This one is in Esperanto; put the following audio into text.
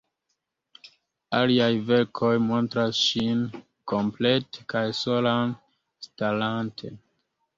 Aliaj verkoj montras ŝin komplete kaj solan, starante.